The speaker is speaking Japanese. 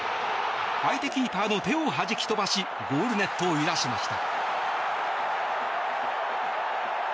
相手キーパーの手を弾き飛ばしゴールネットを揺らしました。